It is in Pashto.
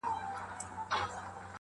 اوس به څنګه نكلچي غاړه تازه كي!!